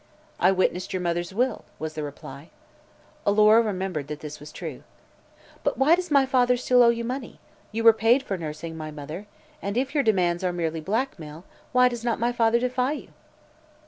"I witnessed your mother's will," was the reply. Alora remembered that this was true. "But why does my father still owe you money? You were paid for nursing my mother. And, if your demands are merely blackmail, why does not my father defy you?"